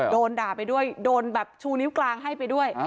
โดนด่าไปด้วยโดนแบบชูนิ้วกลางให้ไปด้วย